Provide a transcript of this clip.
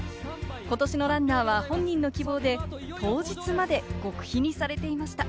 ことしのランナーは本人の希望で当日まで極秘にされていました。